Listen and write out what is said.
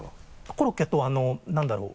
コロッケと何だろう？